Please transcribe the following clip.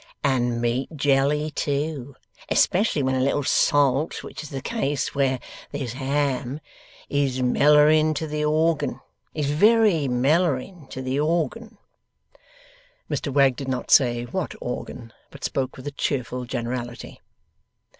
And meaty jelly too, especially when a little salt, which is the case where there's ham, is mellering to the organ, is very mellering to the organ.' Mr Wegg did not say what organ, but spoke with a cheerful generality.